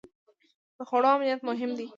د خوړو امنیت مهم دی.